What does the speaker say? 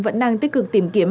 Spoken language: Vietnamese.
vẫn đang tích cực tìm kiếm